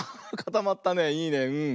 いいねうん。